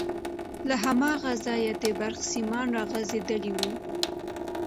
له هماغه ځايه د برق سيمان راغځېدلي وو.